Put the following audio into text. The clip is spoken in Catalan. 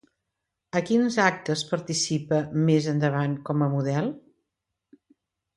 A quins actes participa més endavant com a model?